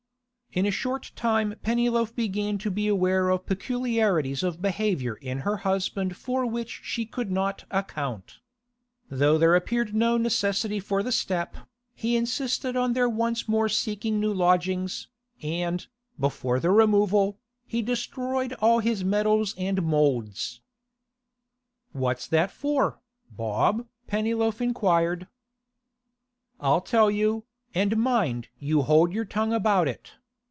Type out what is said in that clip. In a short time Pennyloaf began to be aware of peculiarities of behaviour in her husband for which she could not account. Though there appeared no necessity for the step, he insisted on their once more seeking new lodgings, and, before the removal, he destroyed all his medals and moulds. 'What's that for, Bob?' Pennyloaf inquired. 'I'll tell you, and mind you hold your tongue about it.